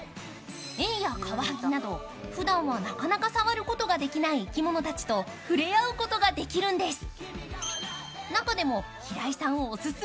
エイやカワハギなど、ふだんはなかなか触ることができない生き物たちと触れ合うことができるんです。